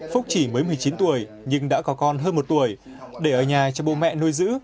phúc chỉ mới một mươi chín tuổi nhưng đã có con hơn một tuổi để ở nhà cho bố mẹ nuôi giữ